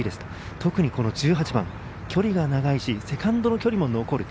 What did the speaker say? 特に１８番、距離が長いしセカンドの距離も残る。